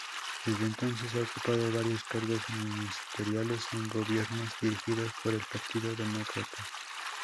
Desde entonces ha ocupado varios cargos ministeriales en gobiernos dirigidos por el Partido Demócrata.